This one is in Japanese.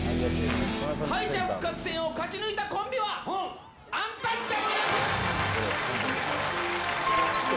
敗者復活戦を勝ち抜いたコンビはアンタッチャブルです！